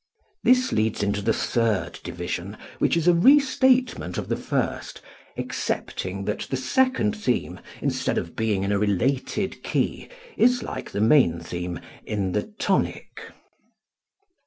This leads into the third division, which is a restatement of the first, excepting that the second theme, instead of being in a related key, is, like the main theme, in the tonic.